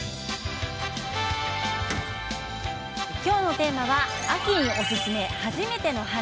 きょうのテーマは秋におすすめ初めての花。